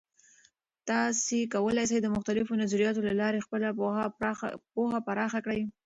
تاسې کولای سئ د مختلفو نظریاتو له لارې خپله پوهه پراخه کړئ.